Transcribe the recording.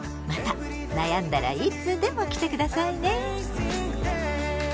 また悩んだらいつでも来て下さいね。